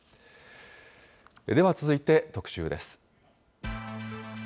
では続いて、特集です。